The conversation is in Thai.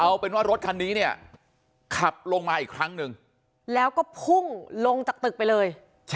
เอาเป็นว่ารถคันนี้เนี่ยขับลงมาอีกครั้งหนึ่งแล้วก็พุ่งลงจากตึกไปเลย